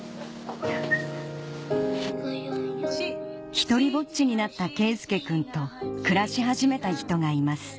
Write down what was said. ひとりぼっちになった佳祐くんと暮らし始めた人がいます